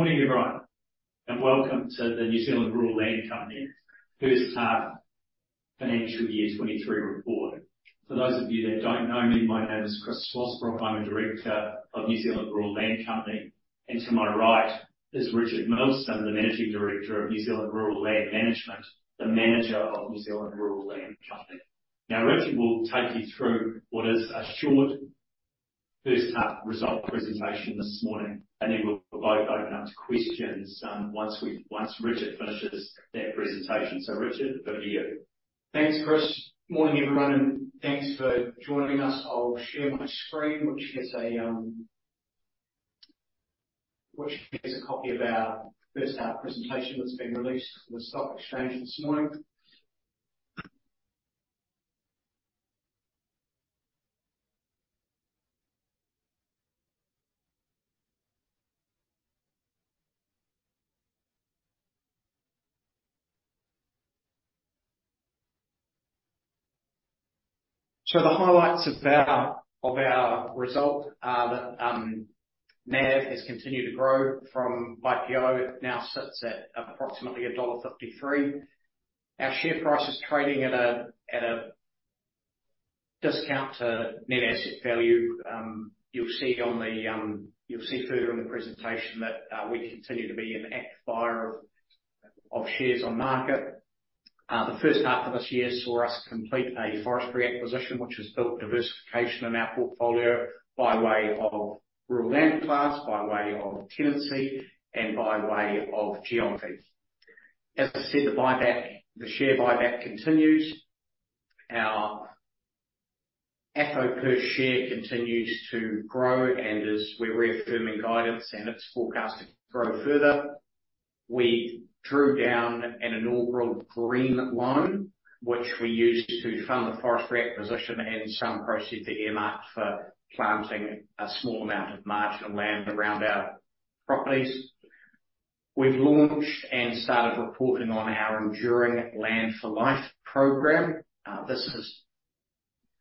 Morning, everyone, and welcome to the New Zealand Rural Land Company First Half Financial Year 2023 Report. For those of you that don't know me, my name is Chris Swasbrook. I'm a Director of New Zealand Rural Land Company, and to my right is Richard Milsom, the Managing Director of New Zealand Rural Land Management, the manager of New Zealand Rural Land Company. Now, Richard will take you through what is a short first half result presentation this morning, and then we'll both open up to questions, once Richard finishes that presentation. So, Richard, over to you. Thanks, Chris. Morning, everyone, and thanks for joining us. I'll share my screen, which is a copy of our first half presentation that's been released to the stock exchange this morning. So the highlights of our result are that NAV has continued to grow from IPO. It now sits at approximately dollar 1.53. Our share price is trading at a discount to net asset value. You'll see further in the presentation that we continue to be an acquirer of shares on market. The first half of this year saw us complete a forestry acquisition, which has built diversification in our portfolio by way of rural land class, by way of tenancy, and by way of geography. As I said, the buyback, the share buyback continues. Our FFO per share continues to grow, and as we're reaffirming guidance, and it's forecast to grow further. We drew down an inaugural green loan, which we used to fund the forestry acquisition and some proceeds earmarked for planting a small amount of marginal land around our properties. We've launched and started reporting on our Enduring Land for Life program. This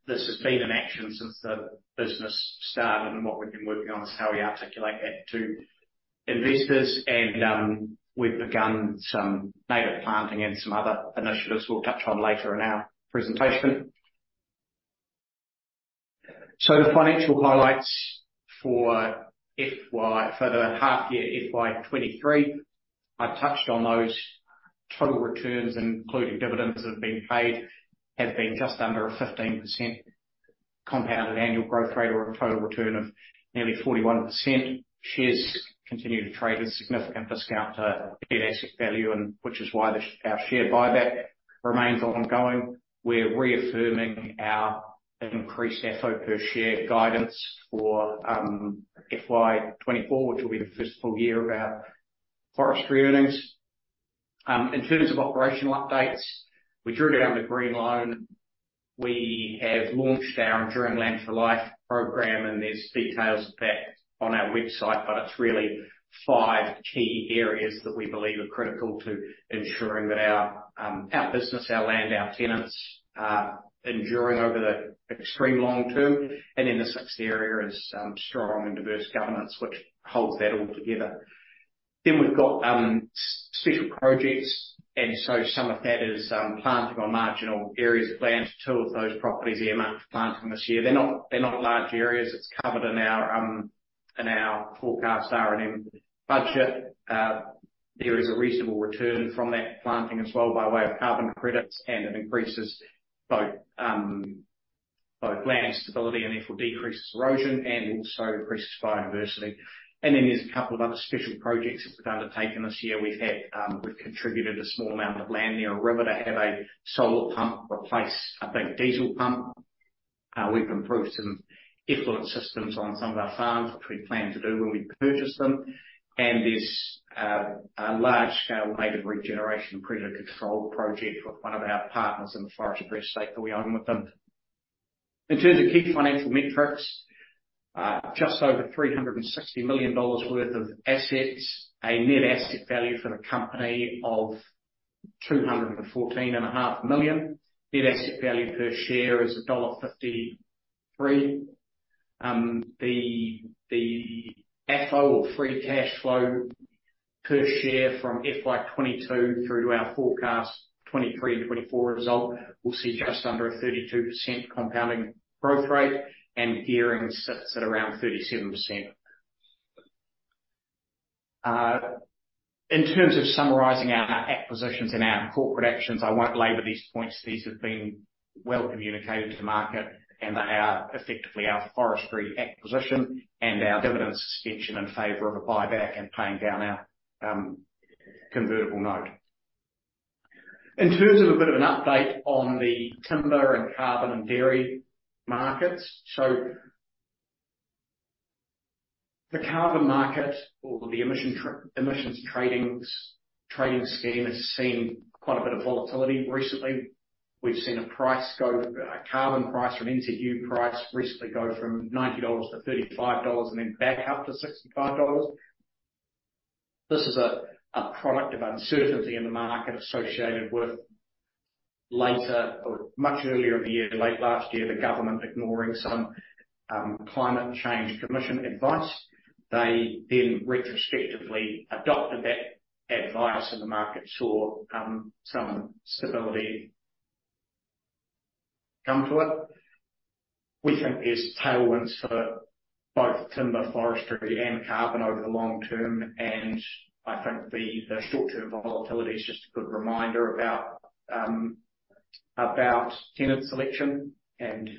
has been in action since the business started, and what we've been working on is how we articulate that to investors, and we've begun some native planting and some other initiatives we'll touch on later in our presentation. So the financial highlights for FY, for the half year, FY 2023, I've touched on those. Total returns, including dividends that have been paid, have been just under a 15% compounded annual growth rate or a total return of nearly 41%. Shares continue to trade at a significant discount to net asset value, and which is why our share buyback remains ongoing. We're reaffirming our increased FFO per share guidance for FY 2024, which will be the first full year of our forestry earnings. In terms of operational updates, we drew down the green loan. We have launched our Enduring Land for Life program, and there's details of that on our website, but it's really 5 key areas that we believe are critical to ensuring that our business, our land, our tenants, are enduring over the extreme long term. Then the 6th area is strong and diverse governance, which holds that all together. Then we've got special projects, and so some of that is planting on marginal areas of land. 2 of those properties are earmarked for planting this year. They're not, they're not large areas. It's covered in our forecast R&M budget. There is a reasonable return from that planting as well by way of carbon credits, and it increases both land stability and therefore decreases erosion and also increases biodiversity. And then there's a couple of other special projects that we've undertaken this year. We've contributed a small amount of land near a river to have a solar pump replace a big diesel pump. We've improved some effluent systems on some of our farms, which we planned to do when we purchased them. And there's a large-scale native regeneration predator control project with one of our partners in the forestry estate that we own with them. In terms of key financial metrics, just over 360 million dollars worth of assets, a net asset value for the company of 214.5 million. Net asset value per share is dollar 1.53. The FFO or free cash flow per share from FY 2022 through to our forecast 2023-2024 result, we'll see just under a 32% compounding growth rate, and gearing sits at around 37%. In terms of summarizing our acquisitions and our corporate actions, I won't labor these points. These have been well communicated to the market, and they are effectively our forestry acquisition and our dividend suspension in favor of a buyback and paying down our convertible note. In terms of a bit of an update on the timber and carbon and dairy markets. So, the carbon market or the Emissions Trading Scheme has seen quite a bit of volatility recently. We've seen a carbon price or an NZU price recently go from 90-35 dollars and then back up to 65 dollars. This is a product of uncertainty in the market associated with later or much earlier in the year, late last year, the government ignoring some Climate Change Commission advice. They then retrospectively adopted that advice, and the market saw some stability come to it. We think there's tailwinds for both timber, forestry, and carbon over the long term, and I think the short-term volatility is just a good reminder about tenant selection and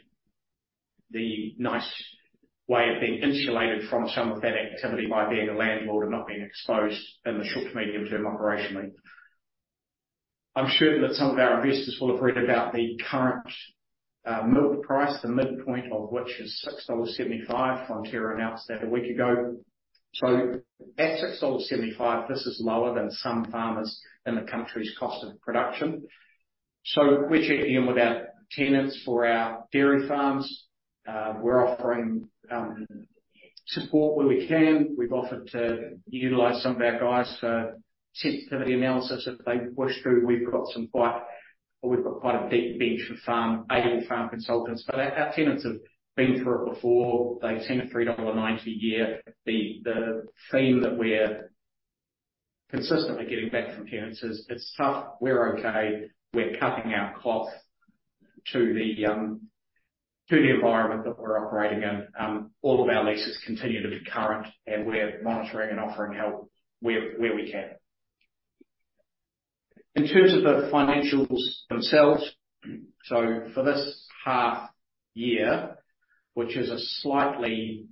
the nice way of being insulated from some of that activity by being a landlord and not being exposed in the short to medium-term operationally. I'm sure that some of our investors will have read about the current milk price, the midpoint of which is 6.75 dollars. Fonterra announced that a week ago. So at 6.75 dollars, this is lower than some farmers in the country's cost of production. So we're checking in with our tenants for our dairy farms. We're offering support where we can. We've offered to utilize some of our guys for sensitivity analysis if they wish to. We've got quite a deep bench of FarmRight farm consultants, but our, our tenants have been through it before. They've seen a 3.90 dollar a year. The, the theme that we're consistently getting back from tenants is: "It's tough, we're okay, we're cutting our cloth to the, to the environment that we're operating in." All of our leases continue to be current, and we're monitoring and offering help where, where we can. In terms of the financials themselves, so for this half year, which is a slightly,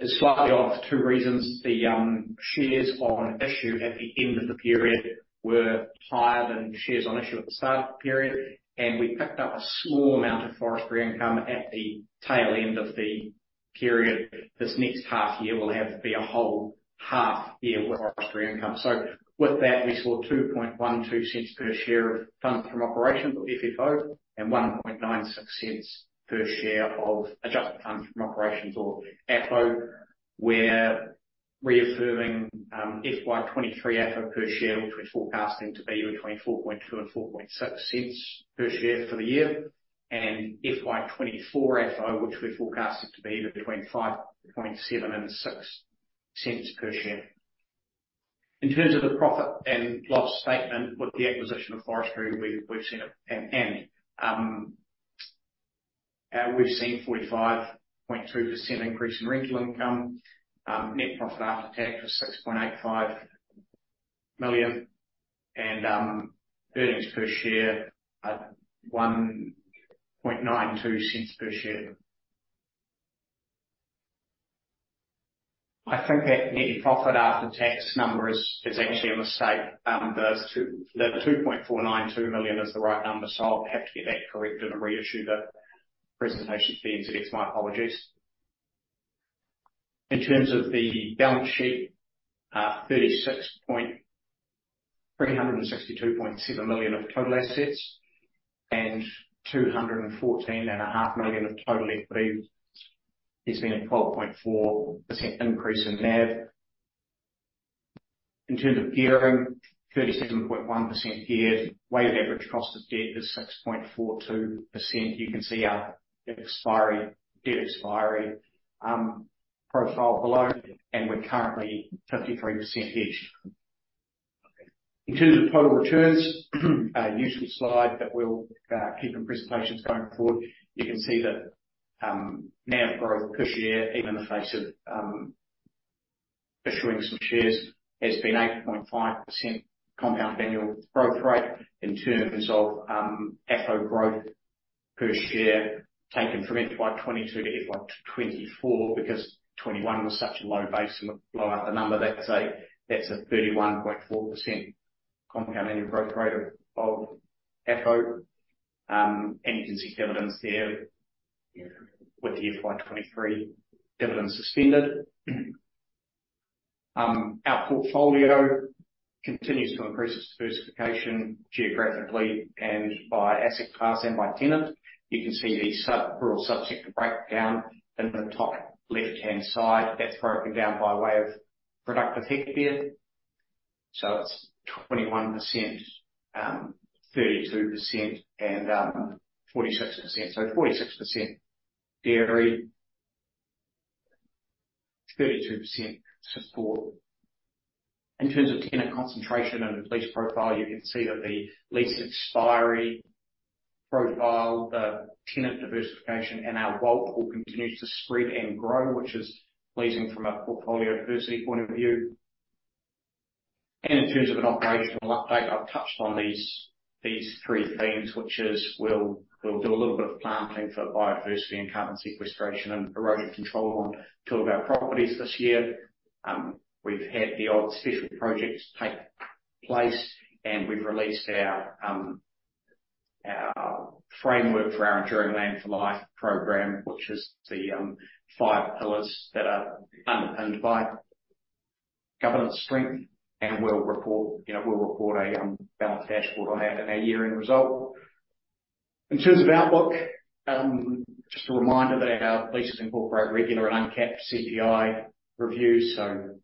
is slightly off, two reasons. The, shares on issue at the end of the period were higher than shares on issue at the start of the period, and we picked up a small amount of forestry income at the tail end of the period. This next half year will be a whole half year with forestry income. So with that, we saw 0.0212 per share of funds from operations or FFO, and 0.0196 per share of adjusted funds from operations or AFFO. We're reaffirming FY 2023 AFFO per share, which we're forecasting to be between 0.042 and 0.046 per share for the year, and FY 2024 AFFO, which we're forecasting to be between 0.057 and 0.06 per share. In terms of the profit and loss statement, with the acquisition of forestry, we've seen a 45.2% increase in rental income. Net profit after tax was 6.85 million, and earnings per share at 0.0192 per share. I think that net profit after tax number is actually a mistake. Those 2.492 million is the right number, so I'll have to get that corrected and reissue the presentation to the NZX. My apologies. In terms of the balance sheet, 362.7 million of total assets and 214.5 million of total equity. There's been a 12.4% increase in NAV. In terms of gearing, 37.1% geared, weighted average cost of debt is 6.42%. You can see our debt expiry profile below, and we're currently 53% hedged. In terms of total returns, a usual slide that we'll keep in presentations going forward. You can see that, NAV growth per share, even in the face of issuing some shares, has been 8.5% compound annual growth rate. In terms of AFFO growth per share, taken from FY 2022 to FY 2024, because 2021 was such a low base and it'd blow out the number, that's a 31.4% compound annual growth rate of AFFO. And you can see dividends there with the FY 2023 dividends suspended. Our portfolio continues to increase its diversification geographically and by asset class and by tenant. You can see the rural sub-sector breakdown in the top left-hand side. That's broken down by way of productive hectares. So it's 21%, 32% and 46%. So 46% dairy, 32% support. In terms of tenant concentration and the lease profile, you can see that the lease expiry profile, the tenant diversification, and our WALT all continues to spread and grow, which is pleasing from a portfolio diversity point of view. In terms of an operational update, I've touched on these three themes, which is we'll do a little bit of planting for biodiversity and carbon sequestration and erosion control on two of our properties this year. We've had the odd special projects take place, and we've released our framework for our Enduring Land for Life program, which is the five pillars that are underpinned by governance strength, and we'll report, you know, a balanced dashboard on that in our year-end result. In terms of outlook, just a reminder that our leases incorporate regular and uncapped CPI reviews, so,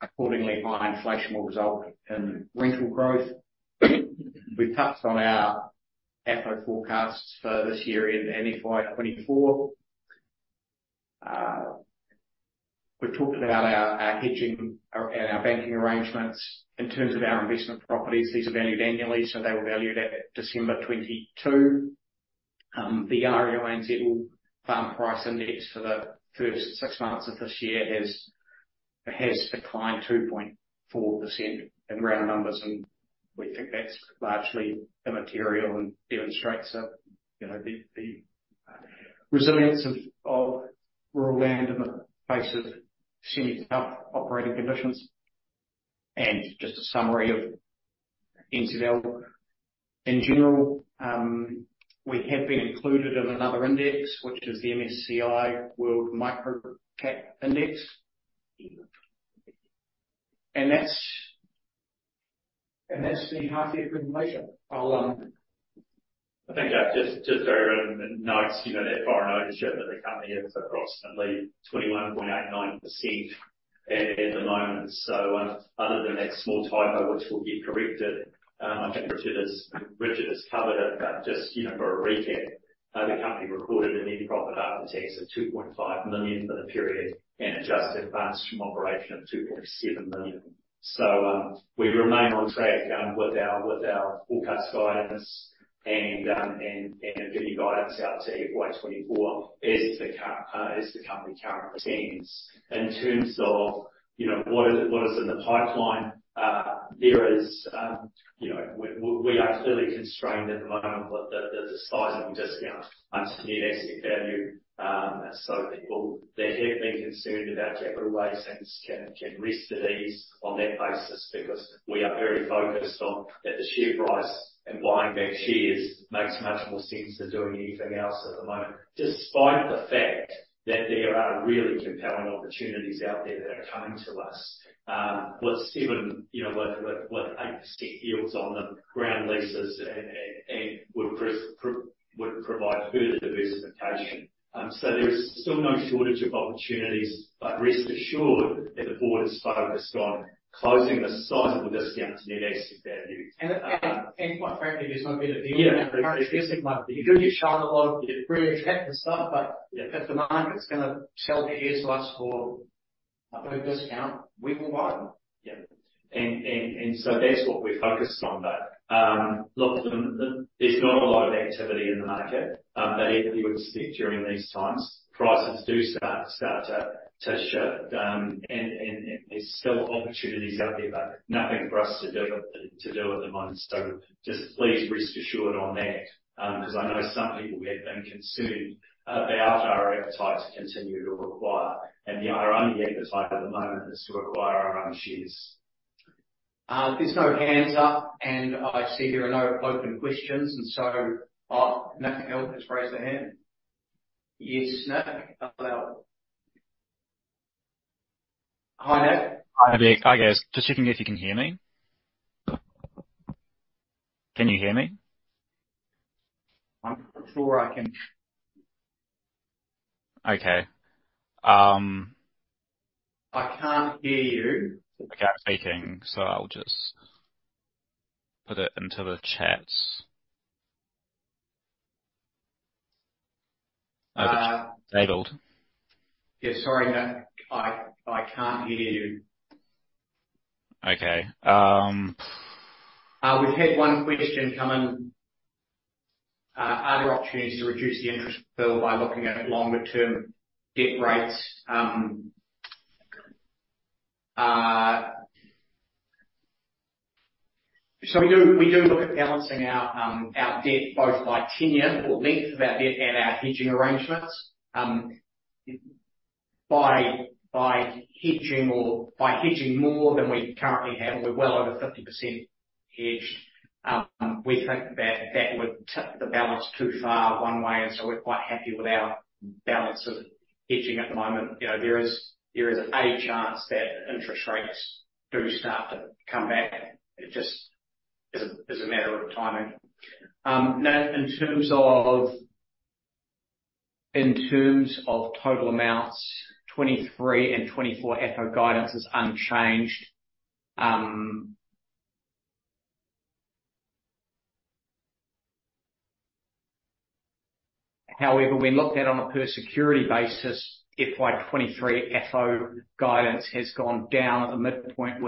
accordingly, high inflation will result in rental growth. We've touched on our FFO forecasts for this year in FY 2024. We've talked about our, our hedging and our banking arrangements. In terms of our investment properties, these are valued annually, so they were valued at December 2022. The REINZ Farm Price Index for the first six months of this year has, has declined 2.4% in round numbers, and we think that's largely immaterial and demonstrates that, you know, the, the resilience of, of rural land in the face of semi-tough operating conditions. And just a summary of NZL. In general, we have been included in another index, which is the MSCI World Micro Cap Index. And that's, and that's the half year presentation. I'll, um- I think I've just three notes, you know, that foreign ownership that the company has approximately 21.89% at the moment. So, other than that small typo, which will get corrected, I think Richard has covered it, but just, you know, for a recap, the company recorded a net profit after tax of 2.5 million for the period and adjusted funds from operations of 2.7 million. So, we remain on track, with our forecast guidance and giving guidance out to FY 2024 as the current, as the company currently stands. In terms of, you know, what is in the pipeline, there is, you know, we are clearly constrained at the moment, but there's a sizable discount on net asset value. So people that have been concerned about capital raising can rest at ease on that basis because we are very focused on the share price, and buying back shares makes much more sense than doing anything else at the moment. Despite the fact that there are really compelling opportunities out there that are coming to us with 7%-8% yields on the ground leases and would provide further diversification. So there is still no shortage of opportunities, but rest assured that the board is focused on closing the sizable discount to net asset value. Quite frankly, there's not been a deal. You do get shown a lot, you get approached and stuff, but if the market's gonna sell the shares to us for a good discount, we will buy them. Yeah. And so that's what we're focused on but, look, there's not a lot of activity in the market that anybody would expect during these times. Prices do start to shift, and there's still opportunities out there, but nothing for us to do at the moment. So just please rest assured on that, because I know some people have been concerned about our appetite to continue to acquire, and our only appetite at the moment is to acquire our own shares. There's no hands up, and I see there are no open questions, and so, oh, Nick Hill just raised their hand. Yes, Nick? Hi, Nick. Hi there. Hi, guys. Just checking if you can hear me. Can you hear me? I'm not sure I can. Okay, um- I can't hear you. I kept speaking, so I'll just put it into the chat. Disabled. Yeah, sorry, Nick. I can't hear you. Okay, um- We've had one question come in. Are there opportunities to reduce the interest bill by looking at longer-term debt rates? So we do, we do look at balancing our our debt both by tenure or length of our debt and our hedging arrangements. By, by hedging or by hedging more than we currently have, we're well over 50% hedged. We think that that would tip the balance too far one way, and so we're quite happy with our balance of hedging at the moment. You know, there is, there is a chance that interest rates do start to come back. It just is a, is a matter of timing. Nick, in terms of, in terms of total amounts, 2023 and 2024 FFO guidance is unchanged. However, when looked at on a per security basis, FY 2023 FFO guidance has gone down at the midpoint,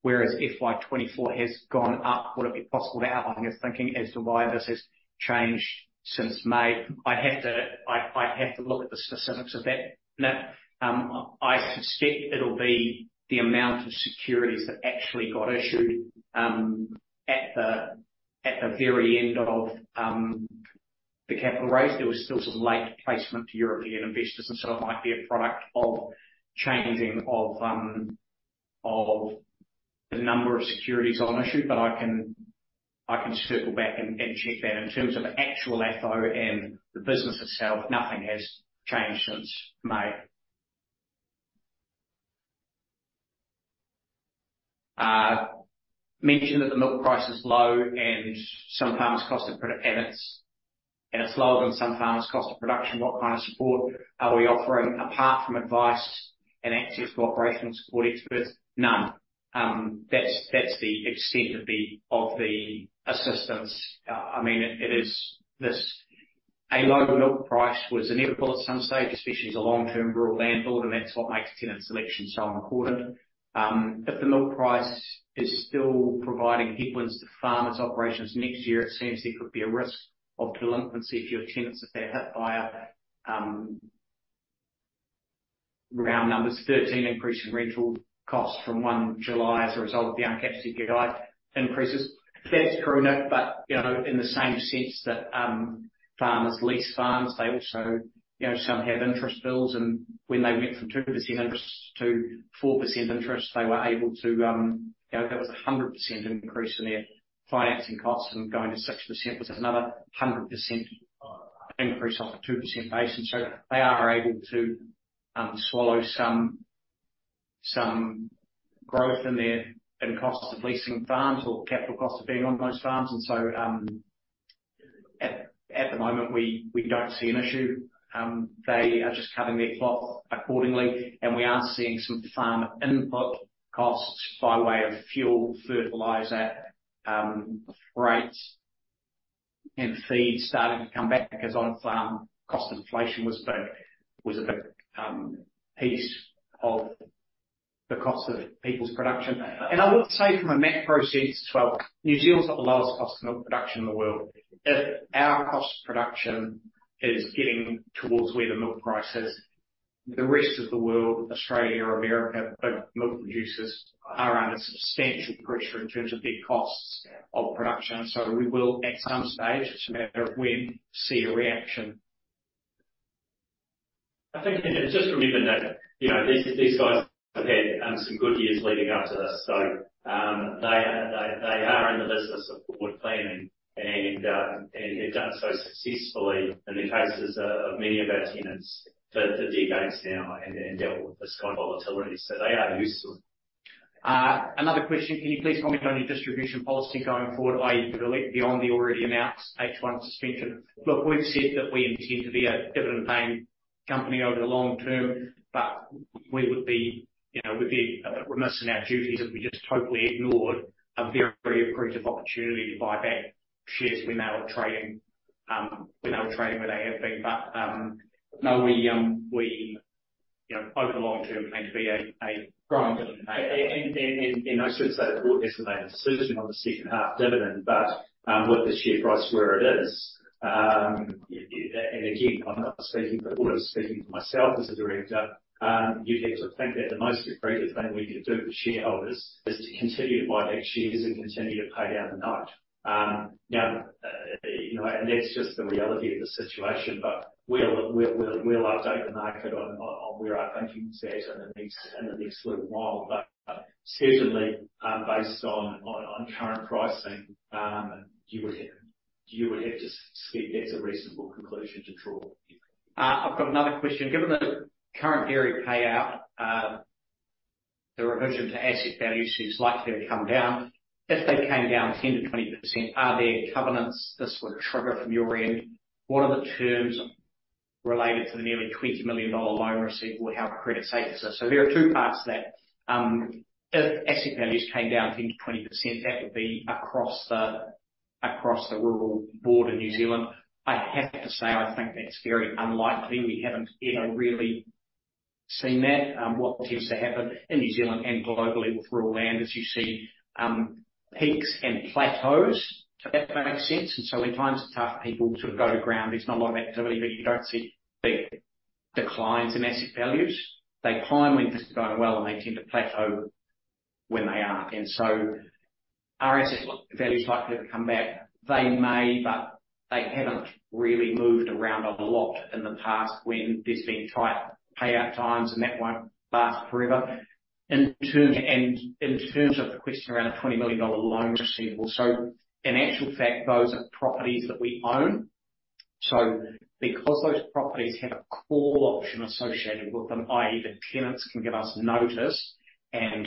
whereas FY 2024 has gone up. Would it be possible to outline your thinking as to why this has changed since May? I'd have to look at the specifics of that, Nick. I suspect it'll be the amount of securities that actually got issued at the very end of the capital raise. There was still some late placement to European investors, and so it might be a product of changing of the number of securities on issue, but I can circle back and check that. In terms of actual FFO and the business itself, nothing has changed since May. Mention that the milk price is low, and some farmers' cost of production, and it's lower than some farmers' cost of production. What kind of support are we offering apart from advice and access to operational support experts? None. That's the extent of the assistance. I mean, it is this, a low milk price was inevitable at some stage, especially as a long-term rural landlord, and that's what makes tenant selection so important. If the milk price is still providing headwinds to farmers' operations next year, it seems there could be a risk of delinquency for your tenants if they're hit by a round numbers, 13 increase in rental costs from 1 July as a result of the uncapped CPI increases. That's true, Nick, but, you know, in the same sense that, farmers lease farms, they also, you know, some have interest bills, and when they went from 2% interest to 4% interest, they were able to, you know, that was a 100% increase in their financing costs and going to 6% was another 100%, increase off a 2% base. And so they are able to, swallow some growth in their costs of leasing farms or capital costs of being on those farms. And so, at the moment, we don't see an issue. They are just cutting their cloth accordingly, and we are seeing some farmer input costs by way of fuel, fertilizer, freight, and feed starting to come back, as on-farm cost inflation was a big piece of the cost of people's production. I would say from a macro sense, well, New Zealand's got the lowest cost of milk production in the world. If our cost of production is getting towards where the milk price is, the rest of the world, Australia, America, big milk producers, are under substantial pressure in terms of their costs of production. We will, at some stage, it's a matter of when, see a reaction. I think, just remember that, you know, these guys have had some good years leading up to this, so, they are in the business of forward planning and have done so successfully in the cases of many of our tenants for decades now, and dealt with this kind of volatility. So they are used to it. Another question: Can you please comment on your distribution policy going forward, i.e., beyond the already announced H1 suspension? Look, we've said that we intend to be a dividend-paying company over the long term, but we would be, you know, we'd be remiss in our duties if we just totally ignored a very accretive opportunity to buy back shares when they were trading where they have been. But no, we, you know, over the long term, aim to be a growing dividend payer. And I should say the board has to make a decision on the second half dividend, but with the share price where it is, and again, I'm not speaking for the board, I'm speaking for myself as a director, you'd have to think that the most accretive thing we could do for shareholders is to continue to buy back shares and continue to pay down the note. Now, you know, and that's just the reality of the situation, but we'll update the market on where our thinking is at in the next little while. But certainly, based on current pricing, you would have to see that's a reasonable conclusion to draw. I've got another question. Given the current dairy payout, the revision to asset values is likely to come down. If they came down 10%-20%, are there covenants this would trigger from your end? What are the terms related to the nearly 20 million dollar loan receivable, how credit safe is this? So there are two parts to that. If asset values came down 10%-20%, that would be across the rural board in New Zealand. I have to say, I think that's very unlikely. We haven't ever really seen that. What tends to happen in New Zealand and globally with rural land is you see, peaks and plateaus, if that makes sense. So when times are tough, people sort of go to ground. There's not a lot of activity, but you don't see big declines in asset values. They climb when things are going well, and they tend to plateau when they aren't. And so are asset values likely to come back? They may, but they haven't really moved around a lot in the past when there's been tight payout times, and that won't last forever. And in terms of the question around the 20 million dollar loan receivable, so in actual fact, those are properties that we own. So because those properties have a call option associated with them, i.e., the tenants can give us notice and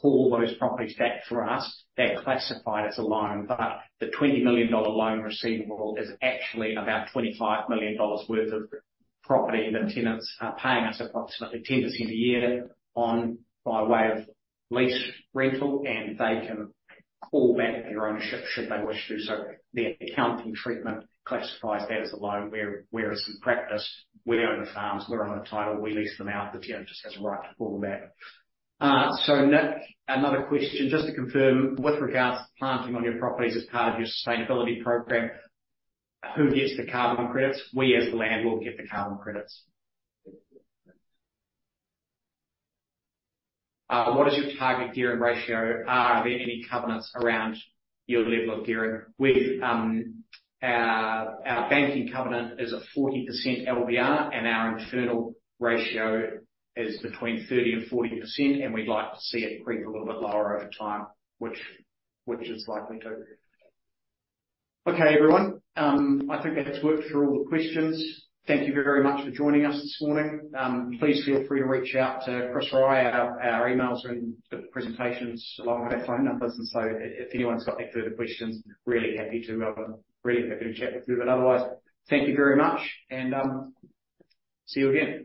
call those properties back for us, they're classified as a loan. But the 20 million dollar loan receivable is actually about 25 million dollars worth of property that tenants are paying us approximately 10% a year on by way of lease rental, and they can call back their ownership should they wish to. So the accounting treatment classifies that as a loan, where, whereas in practice, we own the farms, we're on the title, we lease them out, the tenant just has a right to call them back. So Nick, another question, just to confirm, with regards to planting on your properties as part of your sustainability program, who gets the carbon credits? We as the landlord get the carbon credits. What is your target gearing ratio? Are there any covenants around your level of gearing? We've our banking covenant is a 40% LVR, and our internal ratio is between 30% and 40%, and we'd like to see it creep a little bit lower over time, which it's likely to. Okay, everyone, I think that's worked through all the questions. Thank you very much for joining us this morning. Please feel free to reach out to Chris or I. Our emails are in the presentations, along with our phone numbers, and so if anyone's got any further questions, really happy to chat with you. But otherwise, thank you very much and see you again.